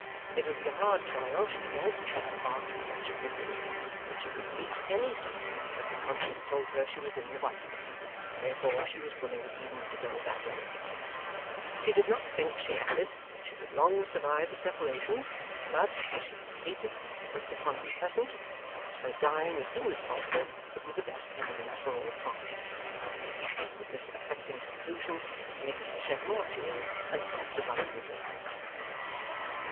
It would be a hard trial, she said, to part from such a missis, but she could meet any suffering when her conscience told her she was in the rights, and therefore she was willing even to go that lengths. She did not think, she added, that she could long survive the separations, but, as she was hated and looked upon unpleasant, perhaps her dying as soon as possible would be the best endings for all parties. With this affecting conclusion, Miss Miggs shed more tears, and sobbed abundantly.